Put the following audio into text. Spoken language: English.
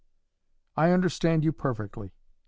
"I understand you perfectly.